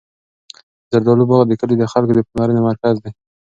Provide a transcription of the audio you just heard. د زردالو باغ د کلي د خلکو د پاملرنې مرکز دی.